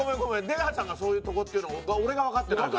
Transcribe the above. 「出川さんがそういう事」って俺がわかってないから。